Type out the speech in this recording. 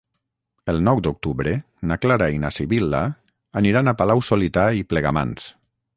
El nou d'octubre na Clara i na Sibil·la aniran a Palau-solità i Plegamans.